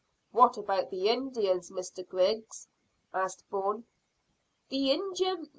"What about the Indians, Mr Griggs?" asked Bourne. "The Injun?